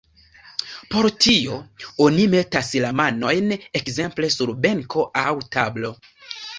Por tio oni metas la manojn ekzemple sur benko aŭ tablo.